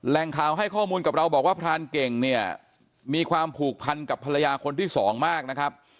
แหล่งข่าวให้ข้อมูลกับเราบอกว่าพรานเก่งเนี่ยมีความผูกพันกับภรรยาคนที่สองมากนะครับ